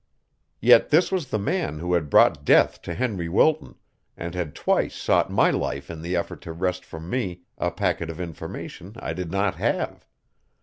Yet this was the man who had brought death to Henry Wilton, and had twice sought my life in the effort to wrest from me a packet of information I did not have.